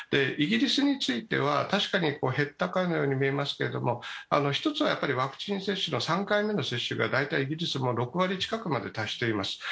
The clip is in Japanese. イギリスについては確かに減ったかのように見えますけど、１つはワクチン接種の３回目の接種が、イギリスも大体６割近くに達しています。